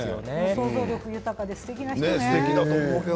想像力豊かですてきな人ね。